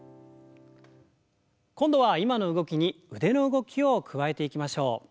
今度は今の動きに腕の動きを加えていきましょう。